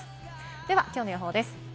では、きょうの予報です。